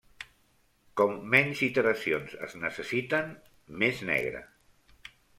Com menys iteracions es necessiten, més negre.